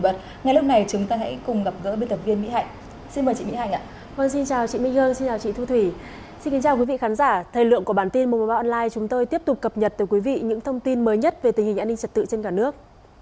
xin chào quý vị khán giả thời lượng của bản tin một trăm một mươi ba online chúng tôi tiếp tục cập nhật từ quý vị những thông tin mới nhất về tình hình an ninh trật tự trên cả nước